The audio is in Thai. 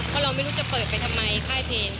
เพราะเราไม่รู้จะเปิดไปทำไมค่ายเพลง